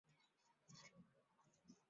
纹理映射单元的部件。